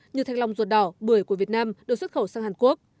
như thanh long ruột đỏ bưởi của việt nam được xuất khẩu sang hàn quốc